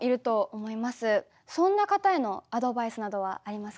そんな方へのアドバイスなどはありますか？